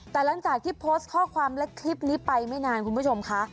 แต่หลังจากที่โพสต์ข้อความและคลิปนี้ไปไม่นานคุณผู้ชมค่ะ